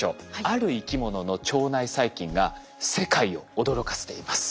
ある生き物の腸内細菌が世界を驚かせています。